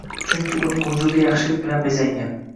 Chunki uning vujudi yaxshilik bilan bezangan